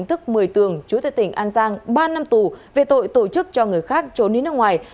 thức một mươi tường trú tại tỉnh an giang ba năm tù về tội tổ chức cho người khác trốn đến nước ngoài